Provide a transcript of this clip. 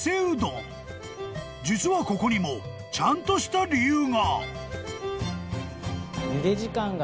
［実はここにもちゃんとした理由が］